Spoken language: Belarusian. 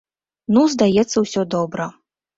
Ну, здаецца, усё добра.